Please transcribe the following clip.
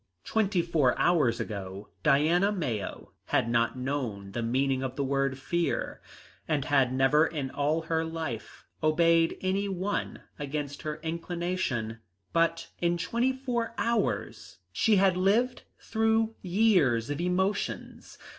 Twenty four hours ago Diana Mayo had not known the meaning of the word fear, and had never in all her life obeyed any one against her inclination, but in twenty four hours she had lived through years of emotions.